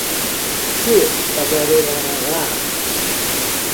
Tú tagarelarás